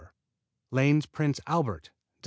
Lane's Prince Albert Dec.